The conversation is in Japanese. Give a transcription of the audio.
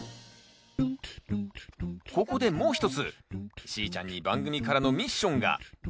ここでもう一つしーちゃんに番組からのミッションが。